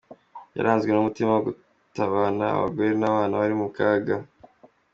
yaranzwe n’umutima wo gutabana abagore n’abana bari mukaga.